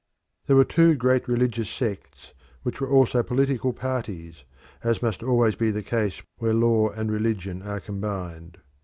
There were two great religious sects which were also political parties, as must always be the case where law and religion are combined.